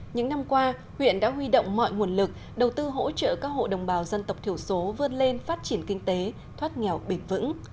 những năm qua huyện đã huy động mọi nguồn lực đầu tư hỗ trợ các hộ đồng bào dân tộc thiểu số vươn lên phát triển kinh tế thoát nghèo bền vững